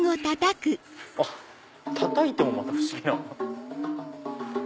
たたいてもまた不思議な。